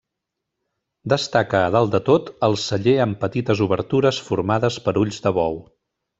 Destaca a dalt de tot el celler amb petites obertures formades per ulls de bou.